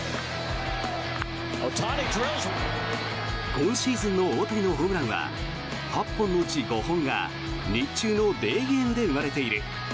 今シーズンの大谷のホームランは８本のうち５本が日中のデーゲームで生まれている。